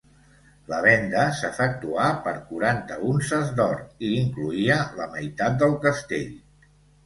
La venda s'efectuà per quaranta unces d'or i incloïa la meitat del castell.